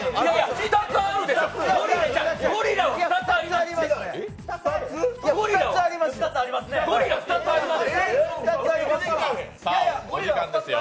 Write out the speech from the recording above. ２つありますよ。